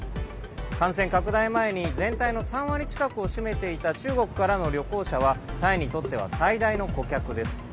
感染拡大前に全体の３割近くを占めていた中国からの旅行者はタイにとっては最大の顧客です。